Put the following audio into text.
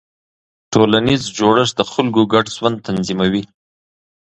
ټولنیز جوړښت د خلکو ګډ ژوند تنظیموي.